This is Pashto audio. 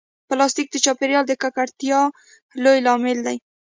پلاستيک د چاپېریال د ککړتیا لوی لامل دی.